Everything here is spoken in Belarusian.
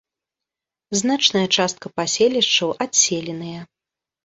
Значная частка паселішчаў адселеныя.